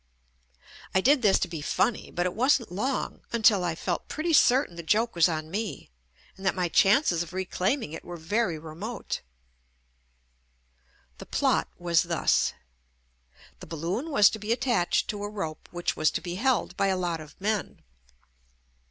I did this to be funny, but it wasn't long until I felt pretty certain the joke was on me, and that my chances of reclaiming it were very re mote. JUST ME The plot was thus — the balloon was to be at tached to a rope which was to be held by a lot of men.